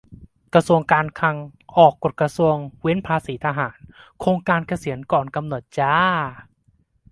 กระทรวงการคลัง ออกกฎกระทรวงเว้นภาษีทหาร 'โครงการเกษียณก่อนกำหนด' จร้า